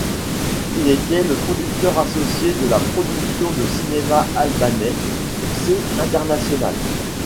Il était le producteur associé de la production de cinéma albanais succès international.